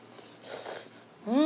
うん！